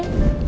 jusimu nih kak